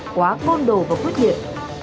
quá côn đồ và quyết liệt